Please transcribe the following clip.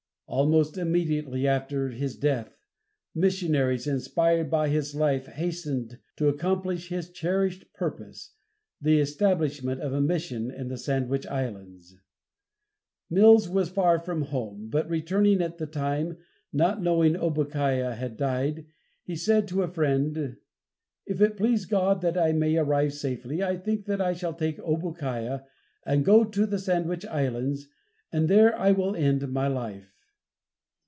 Almost immediately after his death, missionaries, inspired by his life, hastened to accomplish his cherished purpose, the establishment of a mission in the Sandwich Islands. Mills was far from home, but returning at the time, not knowing Obookiah had died, he said to a friend, "If it please God that I may arrive safely, I think that I shall take Obookiah and go to the Sandwich Islands and there I will end my life."